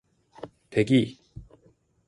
대기!